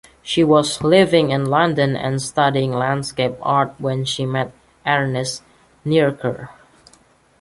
She was living in London and studying landscape art when she met Ernest Nieriker.